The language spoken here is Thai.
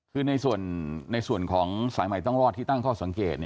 คือในส่วนของสายใหม่ต้องรอดที่ตั้งข้อสังเกต